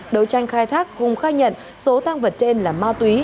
đấu tranh khai thác hùng khai nhận số tăng vật trên là ma túy